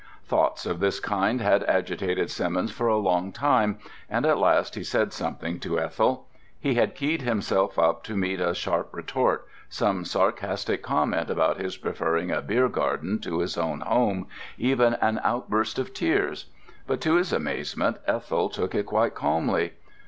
Thoughts of this kind had agitated Simmons for a long time, and at last he said something to Ethel. He had keyed himself up to meet a sharp retort, some sarcastic comment about his preferring a beer garden to his own home, even an outburst of tears. But to his amazement Ethel took it quite calmly.